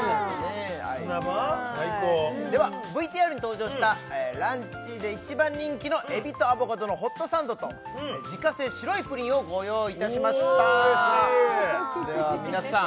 砂場最高ではＶＴＲに登場したランチで一番人気の海老＆アボカドのホットサンドと自家製白いプリンをご用意いたしましたでは皆さん